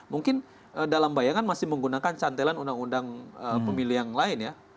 mungkin dalam bayangan masih menggunakan cantelan undang undang pemilih yang lain ya